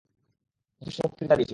যথেষ্ট বক্তৃতা দিয়েছি।